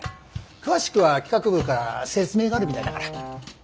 詳しくは企画部から説明があるみたいだから。